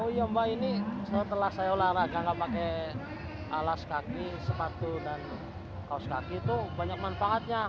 oh iya mbak ini setelah saya olahraga gak pakai alas kaki sepatu dan kaos kaki itu banyak manfaatnya